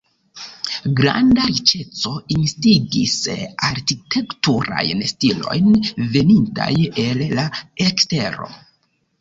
Granda riĉeco instigis arkitekturajn stilojn venintaj el la ekstero.